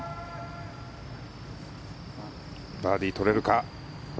バーディー取れるか。